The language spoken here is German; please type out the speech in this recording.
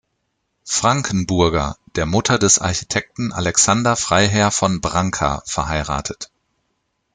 Frankenburger, der Mutter des Architekten Alexander Freiherr von Branca, verheiratet.